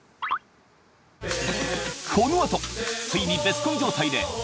このあとついにベスコン状態であ